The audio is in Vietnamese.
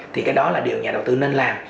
thì cái đó là điều nhà đầu tư nên làm